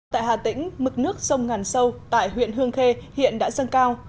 tại hà tĩnh mực nước sông ngàn sâu tại huyện hương khê hiện đã dâng cao